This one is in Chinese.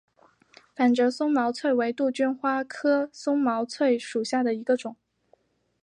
反折松毛翠为杜鹃花科松毛翠属下的一个种。